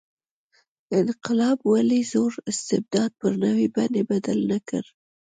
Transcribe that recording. انقلاب ولې زوړ استبداد پر نوې بڼې بدل نه کړ.